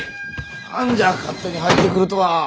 何じゃ勝手に入ってくるとは！